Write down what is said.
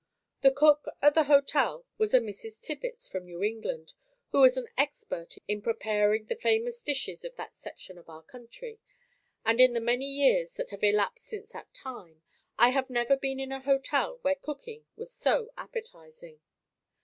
The cook at the hotel was a Mrs. Tibbets from New England who was an expert in preparing the famous dishes of that section of our country, and in the many years that have elapsed since that time, I have never been in a hotel where cooking was so appetizing.